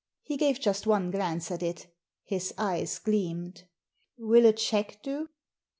He gave just one glance at it His eyes gleamed "Will a cheque do?"